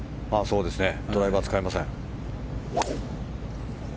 ドライバー使いません。